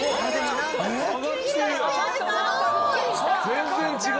全然違う！